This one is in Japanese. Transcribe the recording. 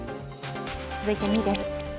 続いて２位です。